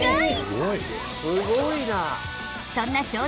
すごいな。